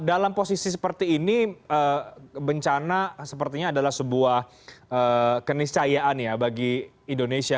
dalam posisi seperti ini bencana sepertinya adalah sebuah keniscayaan ya bagi indonesia